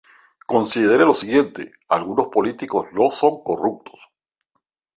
Considere lo siguiente: "Algunos políticos no son corruptos".